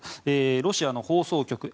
ロシアの放送局